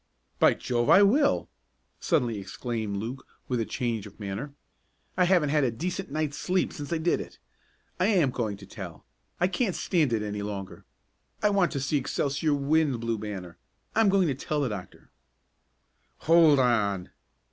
"By Jove I will!" suddenly exclaimed Luke with a change of manner. "I haven't had a decent night's sleep since I did it. I am going to tell. I can't stand it any longer. I want to see Excelsior win the Blue Banner. I'm going to tell the doctor!" "Hold on!"